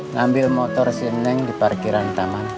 ngambil motor si neng di parkiran taman